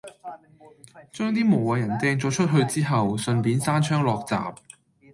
將啲無謂人掟咗出去之後，順便閂窗落閘